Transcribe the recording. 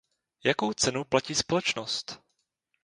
Jakou cenu platí společnost?